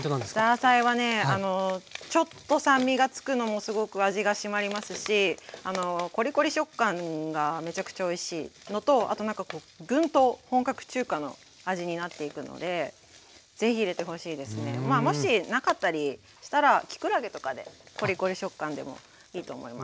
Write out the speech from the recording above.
ザーサイはねちょっと酸味がつくのもすごく味が締まりますしコリコリ食感がめちゃくちゃおいしいのとあとなんかぐんと本格中華の味になっていくので是非入れてほしいですね。もしなかったりしたらきくらげとかでコリコリ食感でもいいと思います。